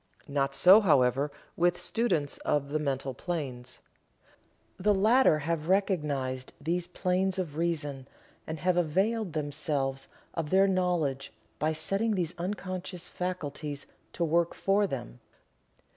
Not so, however, with students of the mental planes. The latter have recognized these planes of reason, and have availed themselves of their knowledge by setting these unconscious faculties to work for them.